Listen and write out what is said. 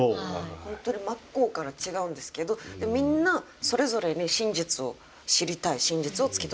本当に真っ向から違うんですけどみんなそれぞれね真実を知りたい真実を突き止めたい。